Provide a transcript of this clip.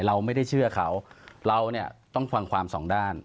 เราไม่ได้เชื่อเขาเราเนี่ยต้องฟังความสองด้าน